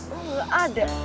lo tuh gak ada